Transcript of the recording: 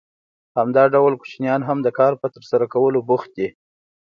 همدا ډول کوچنیان هم د کار په ترسره کولو بوخت دي